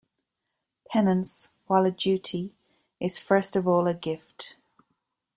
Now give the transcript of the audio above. Penance, while a duty, is first of all a gift.